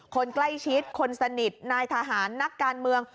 คนใกล้ชิดคนสนิทนายทหารนักการเมือง